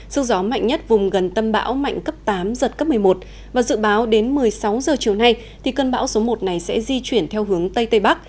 sức gió mạnh nhất vùng gần tâm bão mạnh cấp tám giật cấp một mươi một và dự báo đến một mươi sáu giờ chiều nay cơn bão số một này sẽ di chuyển theo hướng tây tây bắc